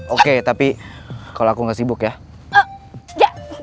oke tapi kalau aku gak sibuk ya